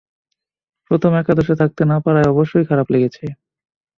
প্রথম একাদশে থাকতে না পারায় অবশ্যই খারাপ লেগেছে।